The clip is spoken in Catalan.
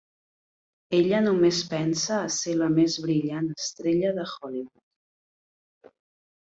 Ella només pensa a ser la més brillant estrella de Hollywood.